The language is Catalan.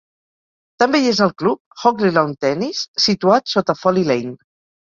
També hi és el club Hockley Lawn Tennis, situat sota Folly Lane.